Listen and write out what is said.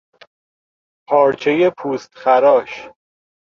پارچهی پوستخراش